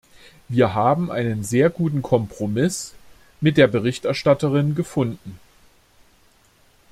Wir haben einen sehr guten Kompromiss mit der Berichterstatterin gefunden.